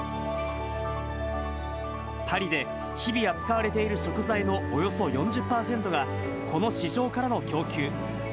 パリで日々扱われている食材のおよそ４０％が、この市場からの供給。